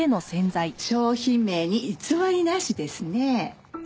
商品名に偽りなしですね。